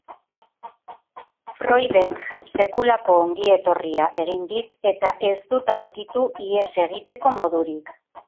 Freudek sekulako ongietorria egin dit eta ez dut aurkitu ihes egiteko modurik.